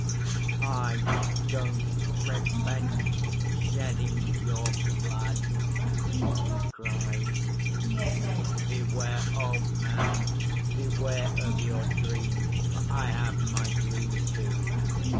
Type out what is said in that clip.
"I don't repent shedding your blood!" he cried. "Beware, old man, beware of your dream, for I have my dream, too.